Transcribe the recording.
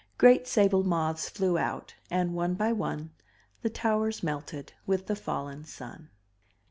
Great sable moths flew out, and one by one The towers melted with the fallen sun.